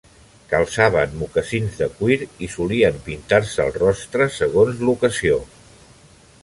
Calçaven mocassins de cuir i solien pintar-se el rostre segons l'ocasió.